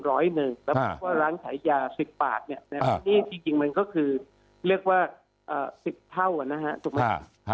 แล้วก็ร้านขายยา๑๐บาทเนี่ยนี่จริงมันก็คือเรียกว่า๑๐เท่านะฮะ